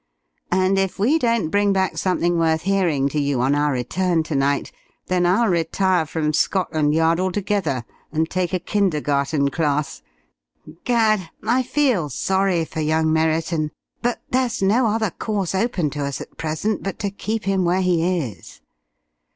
And if we don't bring back something worth hearing to you on our return to night, then I'll retire from Scotland Yard altogether and take a kindergarten class.... Gad! I feel sorry for young Merriton. But there's no other course open to us at present but to keep him where he is.